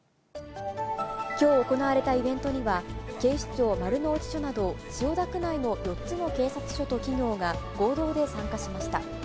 きょう行われたイベントには、警視庁丸の内署など、千代田区内の４つの警察署と企業が合同で参加しました。